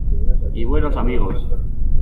¡ y buenos amigos!...